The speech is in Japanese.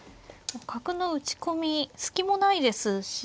角の打ち込み隙もないですし。